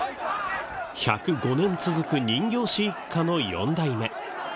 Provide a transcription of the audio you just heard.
１０５年続く人形師一家の４代目。